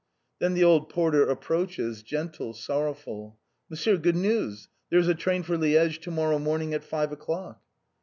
Then the old porter approaches, gentle, sorrowful. "Monsieur, good news! there is a train for Liège to morrow morning at five o'clock!"